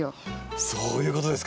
そういうことですか。